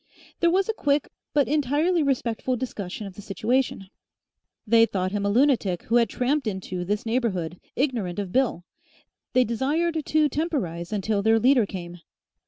There was a quick but entirely respectful discussion of the situation. They thought him a lunatic who had tramped into, this neighbourhood ignorant of Bill. They desired to temporise until their leader came.